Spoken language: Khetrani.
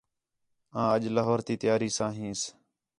آں اَج لاہور تی تیاری ساں ہینس